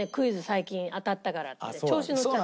最近当たったからってね調子のっちゃって。